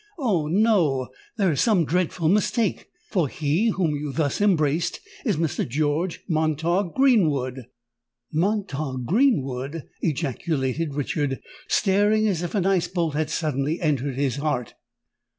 Oh! no—there is some dreadful mistake—for he whom you thus embraced is Mr. George Montague Greenwood!" "Montague—Greenwood!" ejaculated Richard, starting as if an ice bolt had suddenly entered his heart.